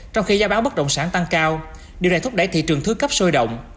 trong khi giá bán bất động sản tăng cao điều này thúc đẩy thị trường thứ cấp sôi động